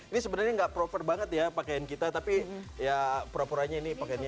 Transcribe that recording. ini sebenarnya nggak proper banget ya pakaian kita tapi ya propernya ini pakaiannya